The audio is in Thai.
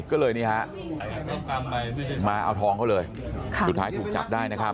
ก็เลยนี่ฮะมาเอาทองเขาเลยสุดท้ายถูกจับได้นะครับ